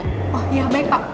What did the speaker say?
oh iya baik pak